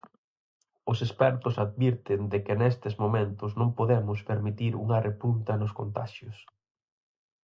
Os expertos advirten de que nestes momentos non podemos permitir unha repunta nos contaxios.